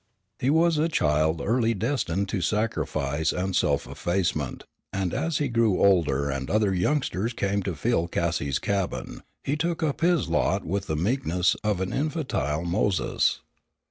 He was a child early destined to sacrifice and self effacement, and as he grew older and other youngsters came to fill Cassie's cabin, he took up his lot with the meekness of an infantile Moses.